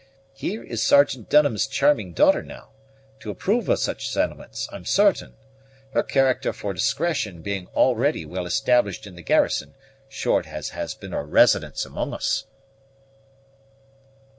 Here is Sergeant Dunham's charming daughter, now, to approve of such sentiments, I'm certain; her character for discretion being already well established in the garrison, short as has been her residence among us."